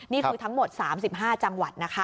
นี่คือทั้งหมด๓๕จังหวัดนะคะ